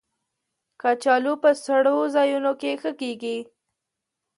کچالو په سړو ځایونو کې ښه کېږي